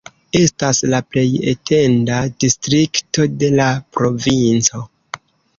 Estas la plej etenda distrikto de la provinco.